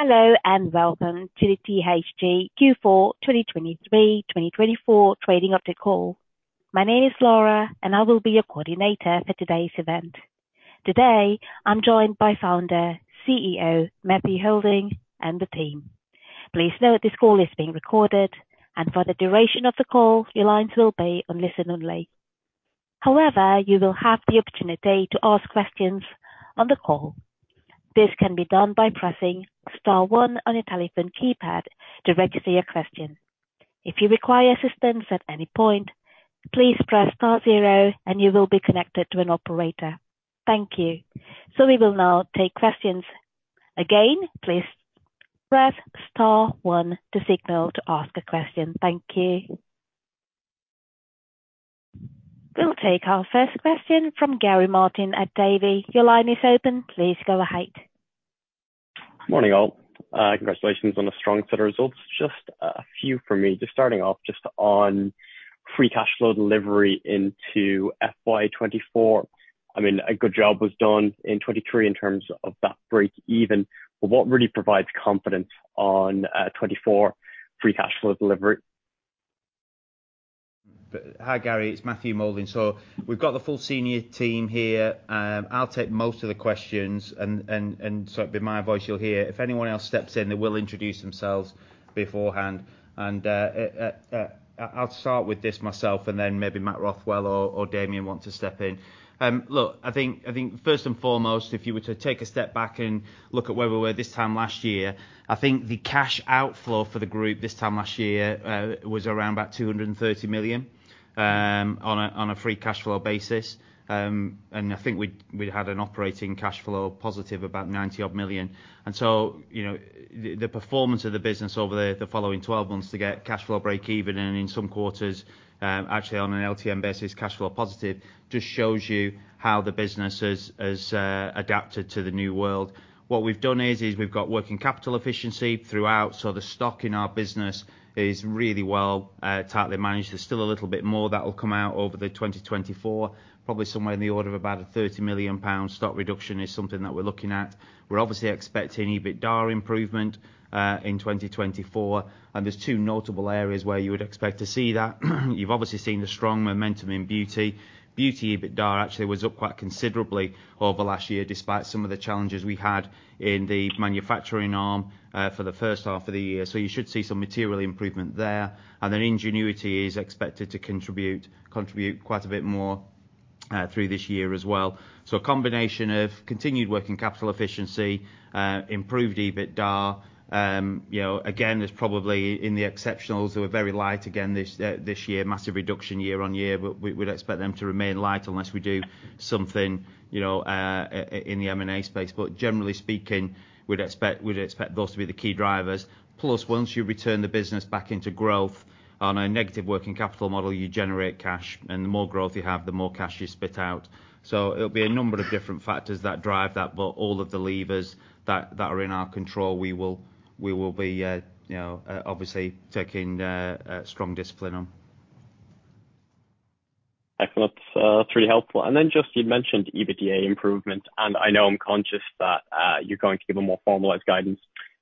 Hello, and welcome to the THG Q4 2023/2024 trading update call. My name is Laura, and I will be your coordinator for today's event. Today, I'm joined by founder, CEO, Matthew Moulding, and the team. Please note, this call is being recorded, and for the duration of the call, your lines will be on listen only. However, you will have the opportunity to ask questions on the call. This can be done by pressing star one on your telephone keypad to register your question. If you require assistance at any point, please press star zero and you will be connected to an Operator, thank you. So we will now take questions again, please press star one to signal, to ask a question, thank you. We'll take our first question from Gary Martin at Davy your line is open, please go ahead. Morning, all. Congratulations on the strong set of results. Just a, a few from me. Just starting off, just on free cash flow delivery into FY 2024. I mean, a good job was done in 2023 in terms of that break even, but what really provides confidence on 2024 free cash flow delivery? Hi, Gary, it's Matthew Moulding. So we've got the full senior team here. I'll take most of the questions and so it'll be my voice you'll hear. If anyone else steps in, they will introduce themselves beforehand. And I'll start with this myself, and then maybe Matt Rothwell or Damian want to step in. Look, I think first and foremost, if you were to take a step back and look at where we were this time last year, I think the cash outflow for the group this time last year was around about 230 million on a free cash flow basis. And I think we'd had an operating cash flow positive about 90 million. So, you know, the performance of the business over the following 12 months to get cash flow breakeven, and in some quarters, actually on an LTM basis, cash flow positive, just shows you how the business has adapted to the new world. What we've done is we've got working capital efficiency throughout, so the stock in our business is really well tightly managed. There's still a little bit more that will come out over 2024. Probably somewhere in the order of about a 30 million pound stock reduction is something that we're looking at. We're obviously expecti`ng EBITDAR improvement in 2024, and there's two notable areas where you would expect to see that. You've obviously seen the strong momentum in beauty. Beauty EBITDAR actually was up quite considerably over last year, despite some of the challenges we had in the manufacturing arm for the first half of the year. So you should see some material improvement there, and then Ingenuity is expected to contribute quite a bit more through this year as well. So a combination of continued working capital efficiency, improved EBITDAR, you know, again, there's probably in the exceptionals, who were very light again this year, massive reduction year on year, but we'd expect them to remain light unless we do something, you know, in the M&A space. But generally speaking, we'd expect those to be the key drivers. Plus, once you return the business back into growth on a negative working capital model, you generate cash, and the more growth you have, the more cash you spit out. So it'll be a number of different factors that drive that, but all of the levers that are in our control, we will be, you know, obviously taking a strong discipline on. Excellent. That's really helpful. And then, just you mentioned EBITDA improvement, and I know I'm conscious that, you're going to give a more formalized guidance,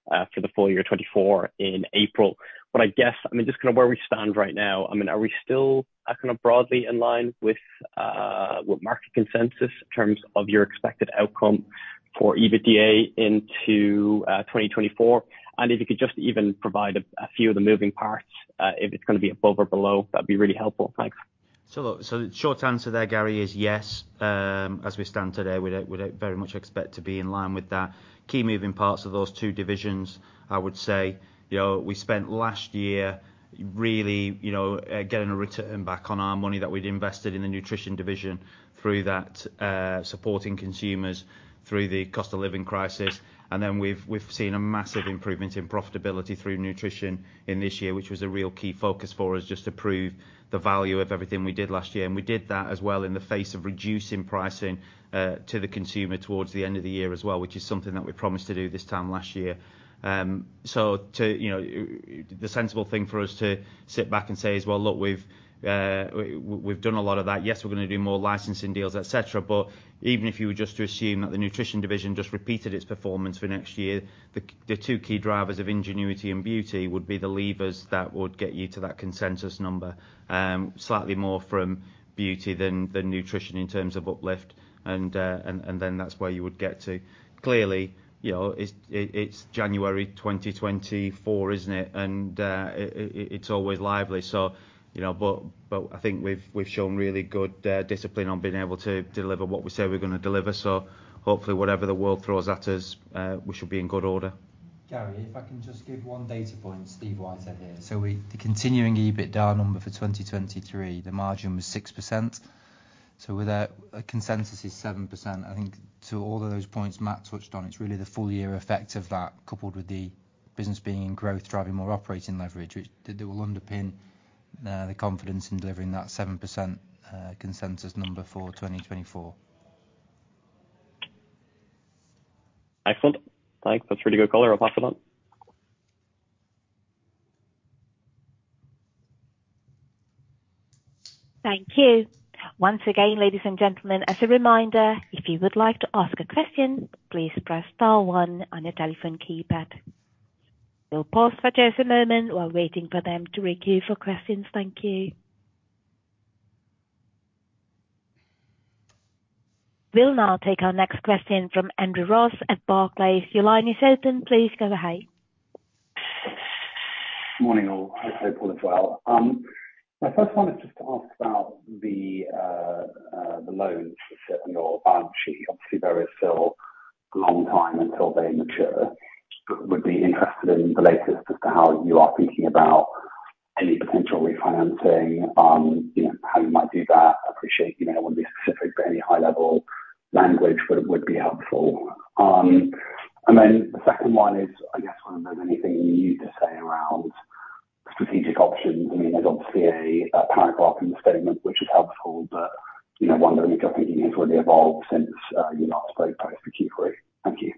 for the full year 2024 in April. But I guess, I mean, just kind of where we stand right now, I mean, are we still, kind of broadly in line with, with market consensus in terms of your expected outcome for EBITDA into, 2024? And if you could just even provide a, a few of the moving parts, if it's gonna be above or below, that'd be really helpful. Thanks. So, the short answer there, Gary, is yes. As we stand today, we'd very much expect to be in line with that. Key moving parts of those two divisions, I would say, you know, we spent last year really, you know, getting a return back on our money that we'd invested in the nutrition division through that, supporting consumers through the cost of living crisis. And then we've seen a massive improvement in profitability through nutrition in this year, which was a real key focus for us, just to prove the value of everything we did last year. And we did that as well in the face of reducing pricing to the consumer towards the end of the year as well, which is something that we promised to do this time last year. So to, you know, the sensible thing for us to sit back and say is, "Well, look, we've done a lot of that. Yes, we're gonna do more licensing deals, et cetera." But even if you were just to assume that the nutrition division just repeated its performance for next year, the two key drivers of Ingenuity and Beauty would be the levers that would get you to that consensus number. Slightly more from Beauty than Nutrition in terms of uplift, and then that's where you would get to. Clearly, you know, it's January 2024, isn't it? It's always lively. So, you know, but I think we've shown really good discipline on being able to deliver what we say we're gonna deliver, so hopefully whatever the world throws at us, we should be in good order. Gary, if I can just give one data point, Steve Wiser here. So we the continuing EBITDAR number for 2023, the margin was 6%, so without... A consensus is 7%. I think to all of those points Matt touched on, it's really the full year effect of that, coupled with the business being in growth, driving more operating leverage, which, that will underpin the confidence in delivering that 7% consensus number for 2024. Excellent. Thanks. That's a pretty good color. I'll pass it on.... Thank you. Once again, ladies and gentlemen, as a reminder, if you would like to ask a question, please press star one on your telephone keypad. We'll pause for just a moment while waiting for them to queue for questions. Thank you. We'll now take our next question from Andrew Ross at Barclays. Your line is open. Please go ahead. Morning, all. I hope all is well. My first one is just to ask about the loans that sit on your balance sheet. Obviously, there is still a long time until they mature, but would be interested in the latest as to how you are thinking about any potential refinancing, you know, how you might do that. I appreciate, you know, it wouldn't be specific, but any high-level language would be helpful. And then the second one is, I guess, wondering if there's anything you need to say around strategic options. I mean, there's obviously a paragraph in the statement, which is helpful, but, you know, wondering if your thinking has really evolved since you last spoke post the Q3. Thank you.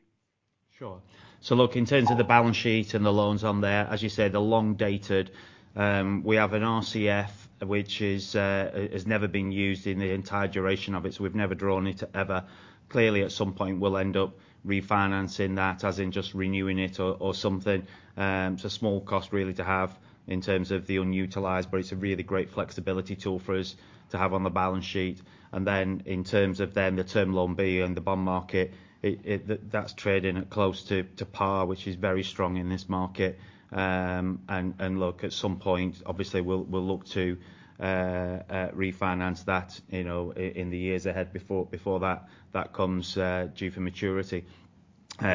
Sure. So look, in terms of the balance sheet and the loans on there, as you say, they're long dated. We have an RCF, which has never been used in the entire duration of it, so we've never drawn it ever. Clearly, at some point, we'll end up refinancing that, as in just renewing it or something. It's a small cost really to have in terms of the unutilized, but it's a really great flexibility tool for us to have on the balance sheet. And then, in terms of the term loan B and the bond market, that's trading at close to par, which is very strong in this market. And look, at some point, obviously we'll look to refinance that, you know, in the years ahead, before that comes due for maturity. So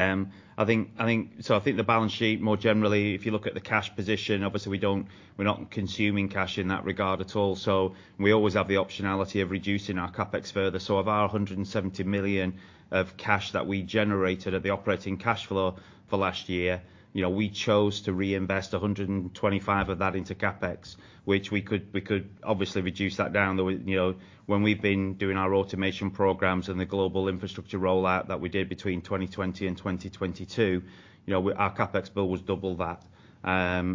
I think the balance sheet more generally, if you look at the cash position, obviously we don't, we're not consuming cash in that regard at all. So we always have the optionality of reducing our CapEx further. So of our 170 million of cash that we generated at the operating cashflow for last year, you know, we chose to reinvest 125 million of that into CapEx, which we could, we could obviously reduce that down, though, you know. When we've been doing our automation programs and the global infrastructure rollout that we did between 2020 and 2022, you know, our CapEx bill was double that.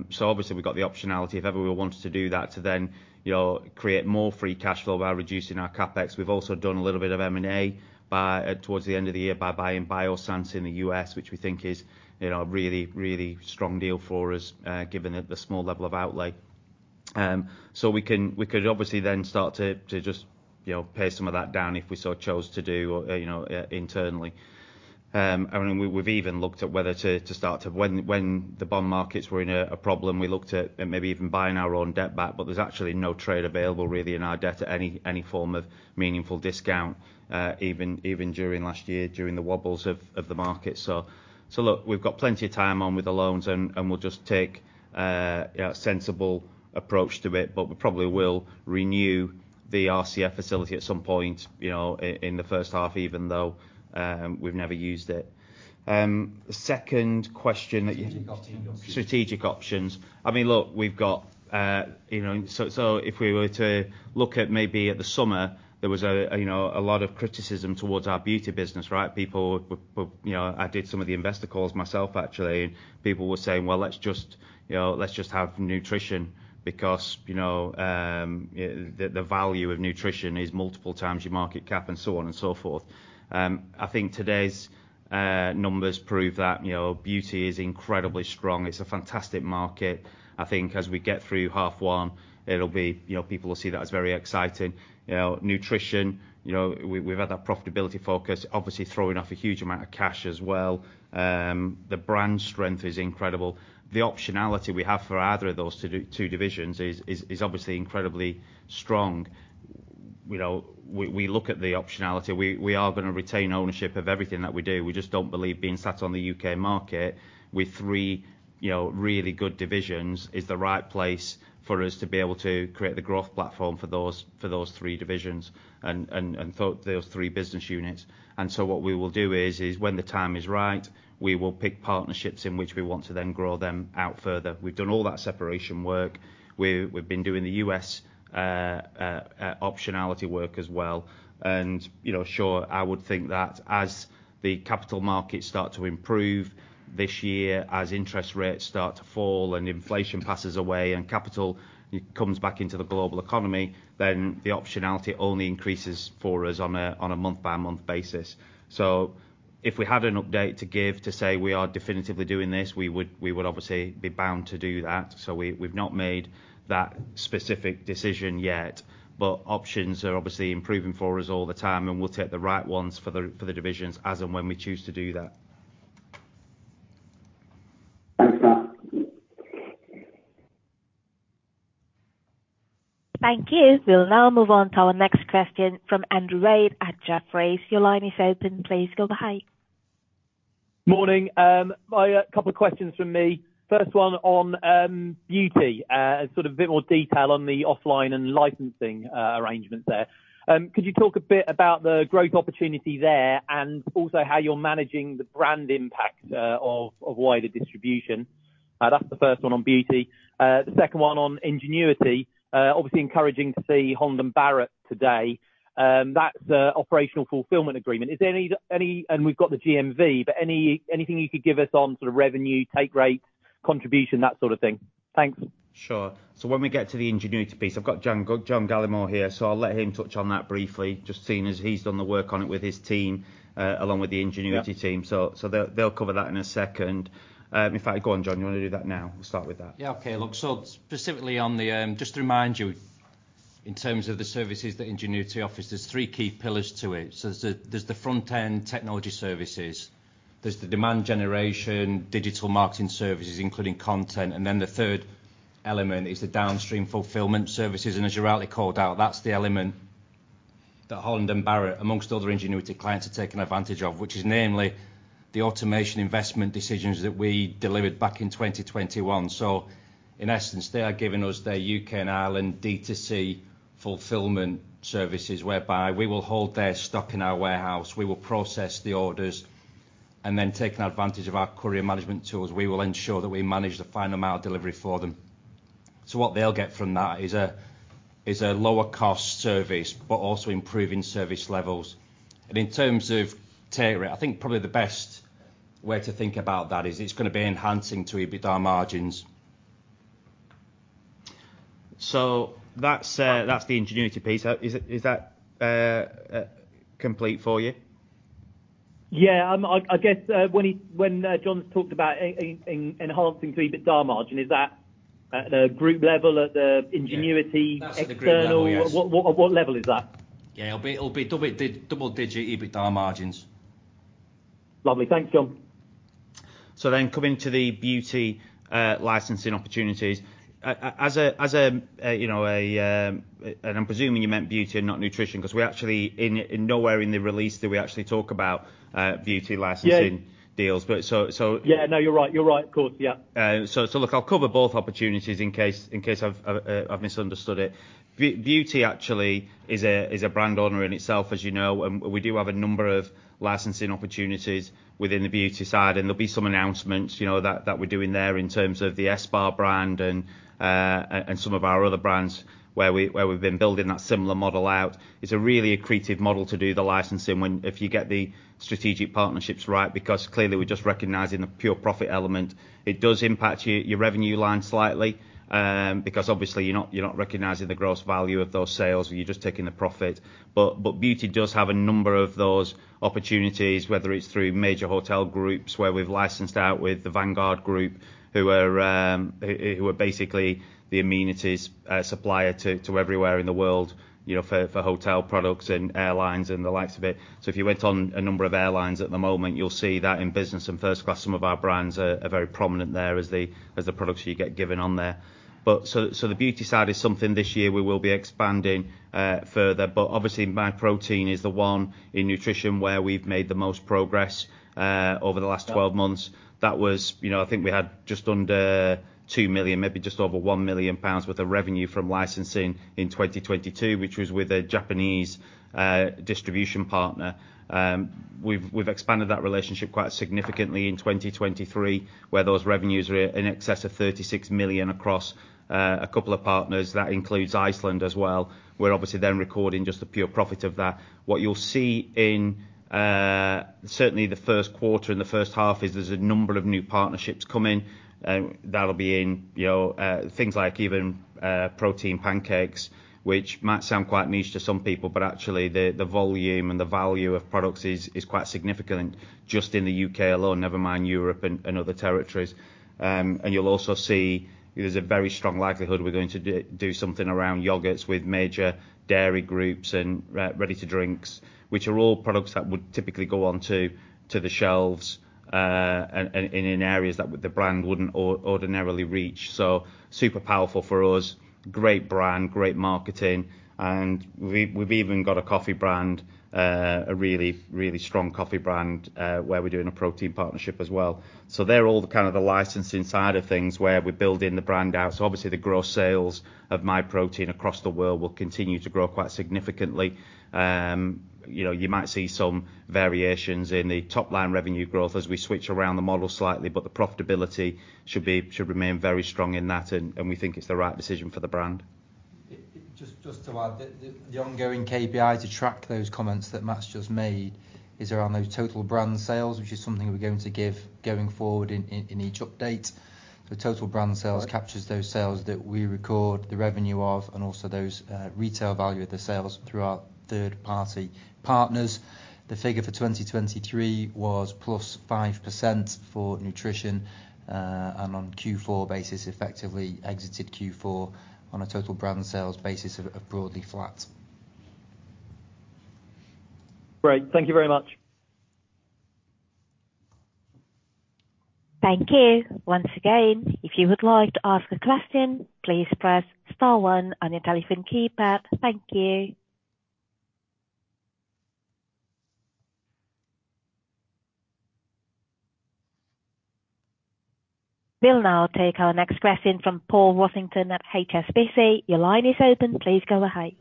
So obviously, we've got the optionality, if ever we wanted to do that, to then, you know, create more free cash flow by reducing our CapEx. We've also done a little bit of M&A by, towards the end of the year by buying Biossance in the U.S., which we think is, you know, a really, really strong deal for us, given the small level of outlay. So we can, we could obviously then start to, to just, you know, pay some of that down if we so chose to do, you know, internally. I mean, we've even looked at whether to, to start to... When, when the bond markets were in a, a problem, we looked at maybe even buying our own debt back, but there's actually no trade available really in our debt at any, any form of meaningful discount, even, even during last year, during the wobbles of, of the market. So look, we've got plenty of time on with the loans and we'll just take a sensible approach to it, but we probably will renew the RCF facility at some point, you know, in the first half, even though we've never used it. The second question that you- Strategic options. I mean, look, we've got, you know... So if we were to look at maybe at the summer, there was a, you know, a lot of criticism towards our beauty business, right? People you know, I did some of the investor calls myself, actually. People were saying, "Well, let's just, you know, let's just have nutrition, because, you know, the value of nutrition is multiple times your market cap," and so on and so forth. I think today's numbers prove that, you know, beauty is incredibly strong. It's a fantastic market. I think as we get through half one, it'll be, you know, people will see that as very exciting. You know, nutrition, you know, we've, we've had that profitability focus, obviously throwing off a huge amount of cash as well. The brand strength is incredible. The optionality we have for either of those two divisions is obviously incredibly strong. You know, we look at the optionality. We are gonna retain ownership of everything that we do. We just don't believe being sat on the U.K. market with three, you know, really good divisions, is the right place for us to be able to create the growth platform for those three divisions and for those three business units. So what we will do is when the time is right, we will pick partnerships in which we want to then grow them out further. We've done all that separation work. We've been doing the U.S. optionality work as well. You know, sure, I would think that as the capital markets start to improve this year, as interest rates start to fall, and inflation passes away, and capital comes back into the global economy, then the optionality only increases for us on a month-by-month basis. So if we had an update to give to say we are definitively doing this, we would obviously be bound to do that. So we've not made that specific decision yet, but options are obviously improving for us all the time, and we'll take the right ones for the divisions as and when we choose to do that. Thanks for that. Thank you. We'll now move on to our next question from Andrew Wade at Jefferies. Your line is open. Please go ahead. Morning, I have a couple of questions from me. First one on beauty, sort of a bit more detail on the offline and licensing arrangements there. Could you talk a bit about the growth opportunity there, and also how you're managing the brand impact of wider distribution? That's the first one on beauty. The second one on Ingenuity. Obviously encouraging to see Holland & Barrett today. That's the operational fulfillment agreement. Is there any—and we've got the GMV, but anything you could give us on sort of revenue, take rates? Contribution, that sort of thing. Thanks. Sure. So when we get to the Ingenuity piece, I've got John Gallemore here, so I'll let him touch on that briefly, just seeing as he's done the work on it with his team, along with the Ingenuity team. Yeah. So they'll cover that in a second. In fact, go on, John. You want to do that now? We'll start with that. Yeah, okay. Look, so specifically on the, just to remind you, in terms of the services that Ingenuity offers, there's three key pillars to it. So there's the, there's the front-end technology services, there's the demand generation, digital marketing services, including content, and then the third element is the downstream fulfillment services. And as you rightly called out, that's the element that Holland & Barrett, amongst other Ingenuity clients, are taking advantage of, which is namely the automation investment decisions that we delivered back in 2021. So in essence, they are giving us their U.K., and Ireland D2C fulfillment services, whereby we will hold their stock in our warehouse, we will process the orders, and then taking advantage of our courier management tools, we will ensure that we manage the final mile delivery for them. So what they'll get from that is a lower cost service, but also improving service levels. And in terms of tariff, I think probably the best way to think about that is, it's gonna be enhancing to EBITDA margins. So that's the Ingenuity piece. Is that complete for you? Yeah, I guess, when John talked about enhancing the EBITDA margin, is that at a group level, at the Ingenuity- Yeah. External- That's at the group level, yes. What, what, what level is that? Yeah, it'll be double-digit EBITDA margins. Lovely. Thanks, John. So then coming to the beauty, licensing opportunities. As a, you know, and I'm presuming you meant beauty and not nutrition, 'cause we actually in nowhere in the release did we actually talk about, beauty licensing- Yeah ...deals. But so, Yeah, no, you're right. You're right, of course. Yeah. So, look, I'll cover both opportunities in case I've misunderstood it. Beauty actually is a brand owner in itself, as you know, and we do have a number of licensing opportunities within the beauty side, and there'll be some announcements, you know, that we're doing there in terms of the ESPA brand and some of our other brands where we've been building that similar model out. It's a really accretive model to do the licensing when, if you get the strategic partnerships right, because clearly we're just recognizing the pure profit element. It does impact your revenue line slightly, because obviously you're not recognizing the gross value of those sales, you're just taking the profit. But Beauty does have a number of those opportunities, whether it's through major hotel groups, where we've licensed out with the Vanguard Group, who are basically the amenities supplier to everywhere in the world, you know, for hotel products and airlines and the likes of it. So if you went on a number of airlines at the moment, you'll see that in business and first class, some of our brands are very prominent there as the products you get given on there. But so the beauty side is something this year we will be expanding further, but obviously, Myprotein is the one in nutrition, where we've made the most progress over the last 12 months. Yeah. That was, you know, I think we had just under 2 million, maybe just over 1 million pounds worth of revenue from licensing in 2022, which was with a Japanese distribution partner. We've, we've expanded that relationship quite significantly in 2023, where those revenues are in excess of 36 million across a couple of partners. That includes Iceland as well. We're obviously then recording just the pure profit of that. What you'll see in, certainly the first quarter and the first half, is there's a number of new partnerships coming, that'll be in, you know, things like even protein pancakes, which might sound quite niche to some people, but actually the volume and the value of products is quite significant just in the U.K. alone, never mind Europe and other territories. And you'll also see there's a very strong likelihood we're going to do something around yogurts with major dairy groups and ready-to-drinks, which are all products that would typically go onto the shelves, and in areas that the brand wouldn't ordinarily reach. So super powerful for us, great brand, great marketing, and we've even got a coffee brand, a really, really strong coffee brand, where we're doing a protein partnership as well. So they're all kind of the licensing side of things where we're building the brand out. So obviously, the gross sales of Myprotein across the world will continue to grow quite significantly. You know, you might see some variations in the top line revenue growth as we switch around the model slightly, but the profitability should remain very strong in that, and we think it's the right decision for the brand. Just to add, the ongoing KPI to track those comments that Matt's just made, is around those total brand sales, which is something we're going to give going forward in each update. The total brand sales captures those sales that we record the revenue of, and also those retail value of the sales through our third party partners. The figure for 2023 was +5% for nutrition, and on Q4 basis, effectively exited Q4 on a total brand sales basis of broadly flat. Great. Thank you very much. Thank you. Once again, if you would like to ask a question, please press star one on your telephone keypad. Thank you. We'll now take our next question from Paul Rossington at HSBC. Your line is open. Please go ahead.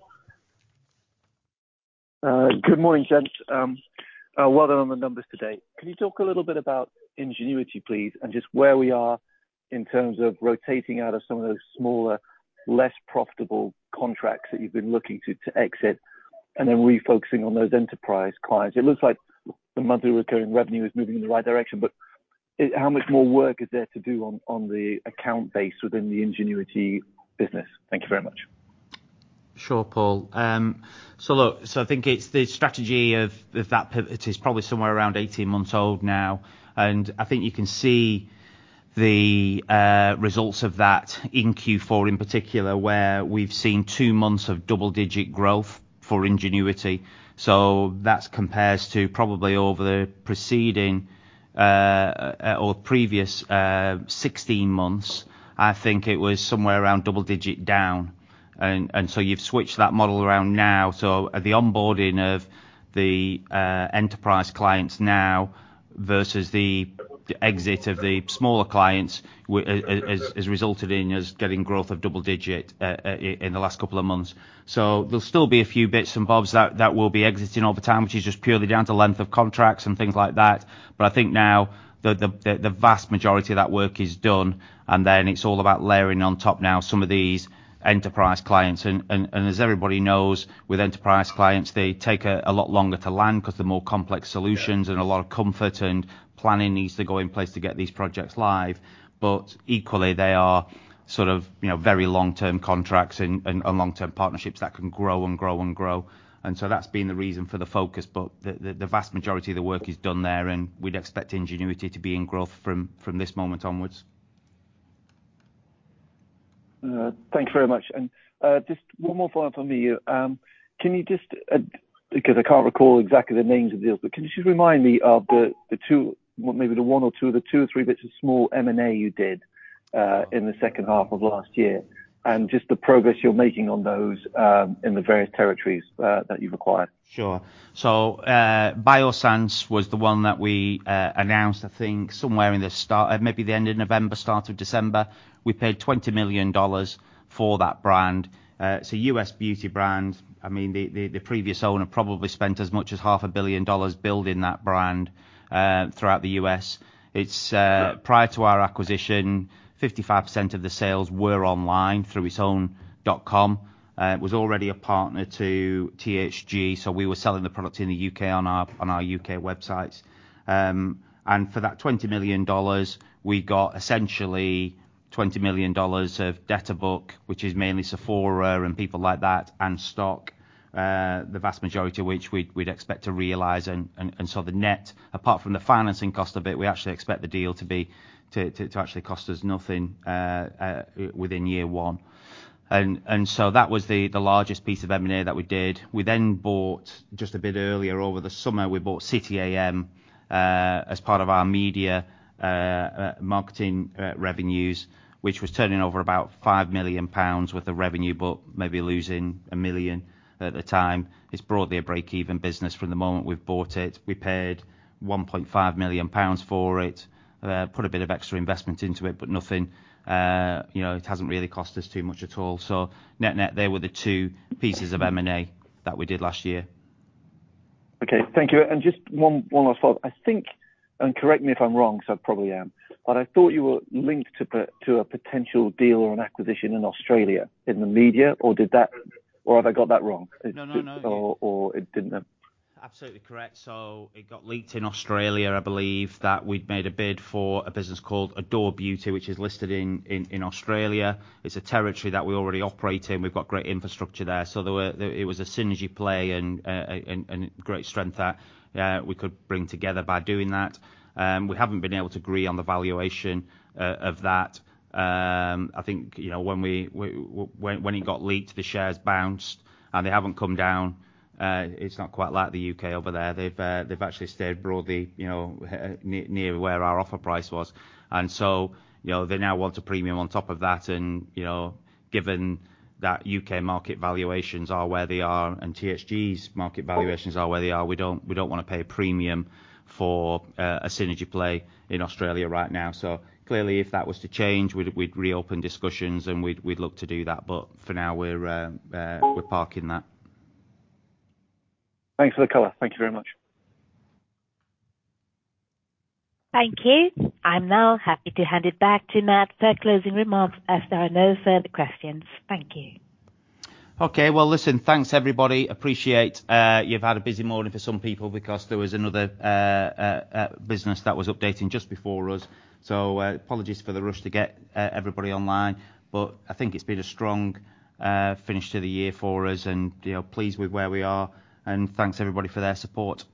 Good morning, gents. Well done on the numbers today. Can you talk a little bit about Ingenuity, please, and just where we are in terms of rotating out of some of those smaller, less profitable contracts that you've been looking to exit? And then refocusing on those enterprise clients, it looks like the monthly recurring revenue is moving in the right direction, but how much more work is there to do on the account base within the Ingenuity business? Thank you very much. Sure, Paul. So look, I think it's the strategy of that pivot is probably somewhere around 18 months old now, and I think you can see the results of that in Q4, in particular, where we've seen two months of double-digit growth for Ingenuity. So that's compares to probably over the preceding or previous 16 months. I think it was somewhere around double-digit down. And so you've switched that model around now. So the onboarding of the enterprise clients now versus the exit of the smaller clients has resulted in us getting growth of double-digit in the last couple of months. So there'll still be a few bits and bobs that will be exiting all the time, which is just purely down to length of contracts and things like that. But I think now, the vast majority of that work is done, and then it's all about layering on top now some of these enterprise clients. And as everybody knows, with enterprise clients, they take a lot longer to land 'cause they're more complex solutions and a lot of comfort and planning needs to go in place to get these projects live. But equally, they are sort of, you know, very long-term contracts and long-term partnerships that can grow and grow and grow. And so that's been the reason for the focus, but the vast majority of the work is done there, and we'd expect Ingenuity to be in growth from this moment onwards. Thank you very much. And just one more follow-up from me here. Can you just, because I can't recall exactly the names of the deals, but can you just remind me of the two, well, maybe the one or two, the two or three bits of small M&A you did in the second half of last year, and just the progress you're making on those in the various territories that you've acquired? Sure. So, Biossance was the one that we announced, I think, somewhere in the start, maybe the end of November, start of December. We paid $20 million for that brand. It's a U.S. beauty brand. I mean, the previous owner probably spent as much as $500 million building that brand throughout the U.S. It's prior to our acquisition, 55% of the sales were online through its own dotcom. It was already a partner to THG, so we were selling the product in the U.K. on our U.K. websites. And for that $20 million, we got essentially $20 million of debt book, which is mainly Sephora and people like that, and stock, the vast majority of which we'd expect to realize. So the net, apart from the financing cost of it, we actually expect the deal to actually cost us nothing within year one. So that was the largest piece of M&A that we did. We then bought, just a bit earlier, over the summer, we bought City A.M. as part of our media marketing revenues, which was turning over about 5 million pounds with the revenue, but maybe losing 1 million at the time. It's broadly a break-even business from the moment we've bought it. We paid 1.5 million pounds for it. Put a bit of extra investment into it, but nothing, you know, it hasn't really cost us too much at all. So net-net, they were the two pieces of M&A that we did last year. Okay, thank you. Just one last thought. I think, and correct me if I'm wrong, because I probably am, but I thought you were linked to a potential deal or an acquisition in Australia, in the media, or did that or have I got that wrong? No, no, no. Or, it didn't happen? Absolutely correct. So it got leaked in Australia, I believe, that we'd made a bid for a business called Adore Beauty, which is listed in Australia. It's a territory that we already operate in. We've got great infrastructure there. So there were... It was a synergy play and great strengths that we could bring together by doing that. We haven't been able to agree on the valuation of that. I think, you know, when it got leaked, the shares bounced, and they haven't come down. It's not quite like the U.K. over there. They've actually stayed broadly, you know, near where our offer price was. So, you know, they now want a premium on top of that and, you know, given that U.K. market valuations are where they are and THG's market valuations are where they are, we don't wanna pay a premium for a synergy play in Australia right now. So clearly, if that was to change, we'd reopen discussions, and we'd look to do that, but for now, we're parking that. Thanks for the color. Thank you very much. Thank you. I'm now happy to hand it back to Matt for closing remarks, as there are no further questions. Thank you. Okay, well, listen, thanks, everybody. Appreciate, you've had a busy morning for some people because there was another business that was updating just before us. So, apologies for the rush to get everybody online, but I think it's been a strong finish to the year for us and, you know, pleased with where we are. And thanks, everybody, for their support.